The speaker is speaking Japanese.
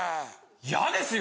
嫌ですよ！